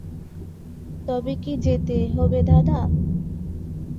তবে কি যেতে হবে দাদা?